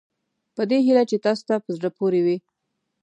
په دې هیله چې تاسوته په زړه پورې وي.